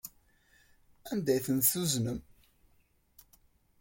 Anda ay ten-tezzuznem?